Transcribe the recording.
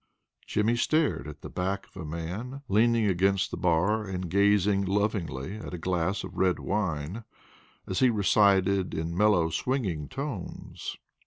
Jimmy stared at the back of a man leaning against the bar, and gazing lovingly at a glass of red wine, as he recited in mellow, swinging tones.